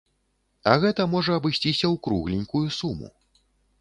А гэта можа абысціся ў кругленькую суму.